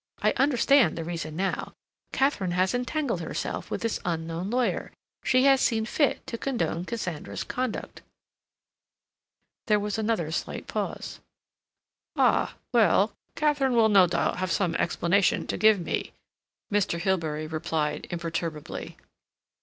I understand the reason now. Katharine has entangled herself with this unknown lawyer; she has seen fit to condone Cassandra's conduct." There was another slight pause. "Ah, well, Katharine will no doubt have some explanation to give me," Mr. Hilbery replied imperturbably.